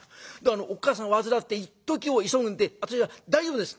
「おっ母さん患っていっときを急ぐんで私は大丈夫です」。